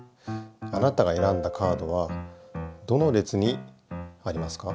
あなたがえらんだカードはどの列にありますか？